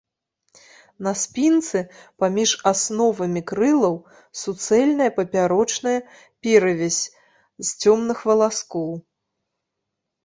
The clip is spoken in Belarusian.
На спінцы паміж асновамі крылаў суцэльная папярочная перавязь з цёмных валаскоў.